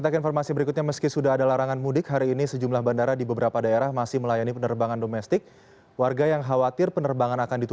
selamat malam buka alfi dan pemerintah asian